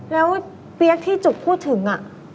แล้วเปี๊ยกที่จุกพูดถึง